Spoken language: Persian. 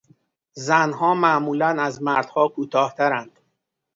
زنها معمولا از مردها کوتاهترند.